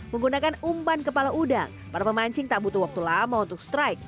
menggunakan umpan kepala udang para pemancing tak butuh waktu lama untuk strike